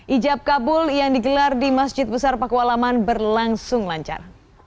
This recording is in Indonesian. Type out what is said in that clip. ijab kabul yang digelar di masjid besar paku alaman berlangsung lancar